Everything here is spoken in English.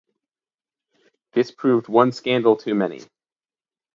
This proved one scandal too many.